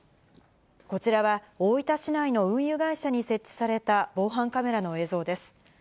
こちらは、大分市内の運輸会社に設置された防犯カメラの映像です。